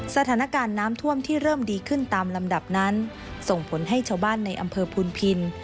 สถานการณ์น้ำท่วมที่เริ่มดีขึ้นตามลำดับนั้นส่งผลให้ชาวบ้านในอำเภอพูนพิน